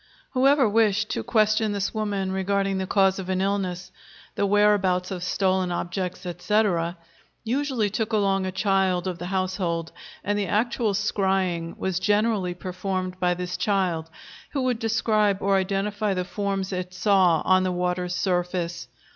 Whoever wished to question this woman regarding the cause of an illness, the whereabouts of stolen objects, etc., usually took along a child of the household, and the actual scrying was generally performed by this child, who would describe or identify the forms it saw on the water's surface.